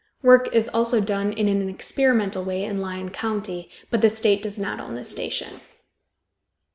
Work is also done in an experimental way in Lyon county, but the state does not own the station.